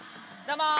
どうも！